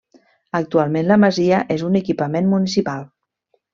Actualment la masia és un equipament municipal.